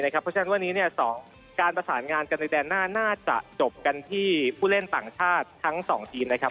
เพราะฉะนั้นวันนี้๒การประสานงานกันในแดนหน้าน่าจะจบกันที่ผู้เล่นต่างชาติทั้ง๒ทีมนะครับ